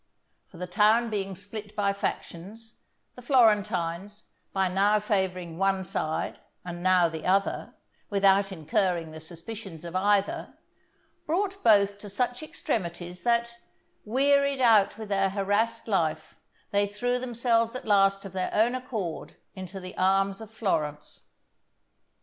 For the town being split by factions, the Florentines, by now favouring one side and now the other, without incurring the suspicions of either, brought both to such extremities that, wearied out with their harassed life, they threw themselves at last of their own accord into the arms of Florence.